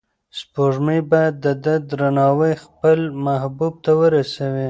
سپوږمۍ باید د ده درناوی خپل محبوب ته ورسوي.